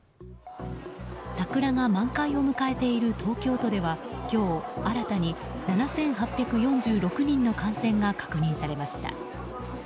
桜が満開を迎えている東京都では今日、新たに７８４６人の感染が確認されました。